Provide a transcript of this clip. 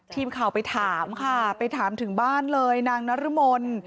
ทีมข่าวไปถามค่ะไปถามถึงบ้านเลยนางนรมน